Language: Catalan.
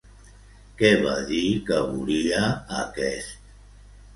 Què va dir que volia aquest?